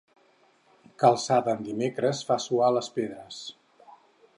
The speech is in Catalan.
Calçada en dimecres fa suar les pedres.